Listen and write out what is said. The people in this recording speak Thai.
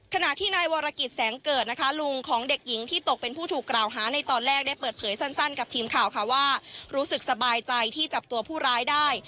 ขณะที่นายวรกิจแสงเกิดนะคะลุงของเด็กหญิงที่ตกเป็นผู้ถูกกล่าวหาในตอนแรกได้เปิดเผยสั้นกับทีมข่าวค่ะว่ารู้สึกสบายใจที่จับตัวผู้ร้ายได้